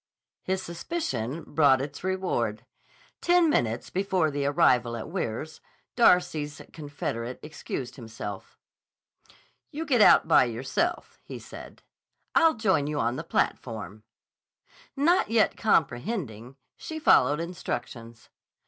His suspicion brought its reward. Ten minutes before the arrival at Weirs, Darcy's confederate excused himself. "You get out by yourself," he said. "I'll join you on the platform." Not yet comprehending, she followed instructions.